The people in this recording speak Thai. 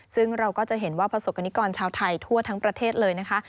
ซึ่งเราก็จะเห็นว่าประสบกรณิกรชาวไทยทั่วทั้งประเทศเลยนะคะ